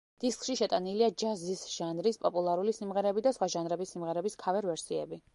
დისკში შეტანილია ჯაზის ჟანრის პოპულარული სიმღერები და სხვა ჟანრების სიმღერების ქავერ-ვერსიები.